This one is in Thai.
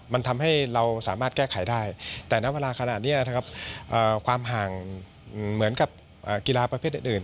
มันทำให้เราสามารถแก้ไขได้แต่ณเวลาขนาดนี้นะครับความห่างเหมือนกับกีฬาประเภทอื่น